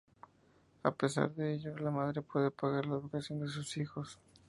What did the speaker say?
A pesar de ello, la madre puede pagar la educación de sus hijos.